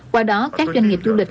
qua đó các doanh nghiệp du lịch